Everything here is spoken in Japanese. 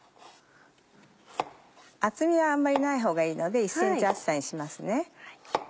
厚みはあんまりない方がいいので１ｃｍ厚さにしますね。